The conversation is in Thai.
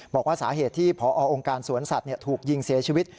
บอกว่าสาเหตุที่พอองค์การสวนสัตว์ถูกยิงเสียชีวิต